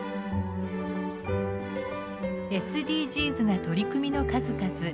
ＳＤＧｓな取り組みの数々。